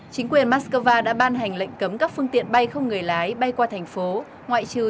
chính quyền moscow đã ban hành lệnh cấm các phương tiện bay không người lái bay qua thành phố